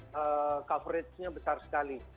dan coverage nya besar sekali